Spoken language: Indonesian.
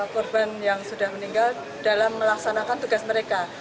korban yang sudah meninggal dalam melaksanakan tugas mereka